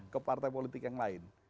ke partai politik yang lain